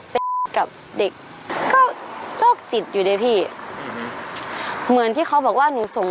ไปดูค่ะ